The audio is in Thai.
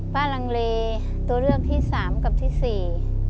ลังเลตัวเลือกที่สามกับที่สี่